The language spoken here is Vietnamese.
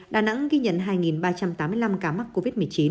đà nẵng ghi nhận hai ba trăm tám mươi năm ca mắc covid một mươi chín